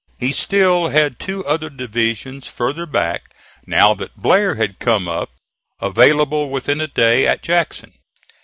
He still had two other divisions farther back now that Blair had come up, available within a day at Jackson.